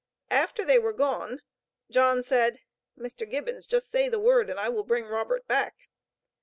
After they were gone John said: "Mr. Gibbons, just say the word, and I will bring Robert back."